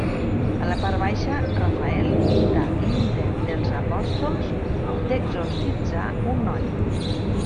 A la part baixa, Rafael pintà l'intent dels apòstols d'exorcitzar un noi.